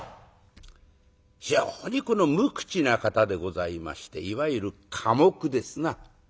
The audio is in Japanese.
非常にこの無口な方でございましていわゆる寡黙ですな。